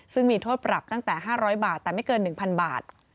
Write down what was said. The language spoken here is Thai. ซึ่งมีโทษปรับตั้งแต่๕๐๐บาทแต่ไม่เกิน๑๐๐บาท